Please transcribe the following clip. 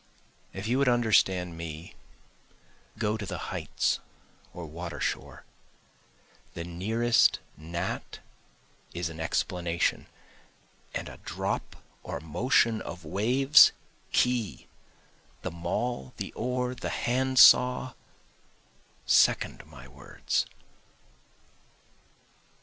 If you would understand me go to the heights or water shore, The nearest gnat is an explanation, and a drop or motion of waves key, The maul, the oar, the hand saw, second my words.